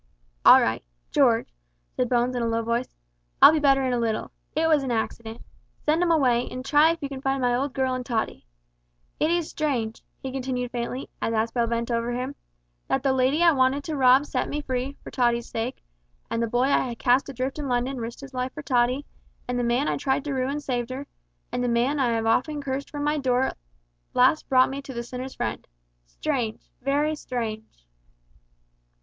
"All right. George," said Bones in a low voice, "I'll be better in a little. It was an accident. Send 'em away, an' try if you can find my old girl and Tottie. It is strange," he continued faintly, as Aspel bent over him, "that the lady I wanted to rob set me free, for Tottie's sake; and the boy I cast adrift in London risked his life for Tottie; and the man I tried to ruin saved her; and the man I have often cursed from my door has brought me at last to the Sinner's Friend. Strange! very strange!"